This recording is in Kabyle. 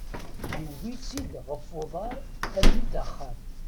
Yewwet-itt-id ɣef uḍar almi d axxam.